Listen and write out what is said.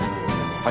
はい。